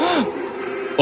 tidak ada yang bisa dihukum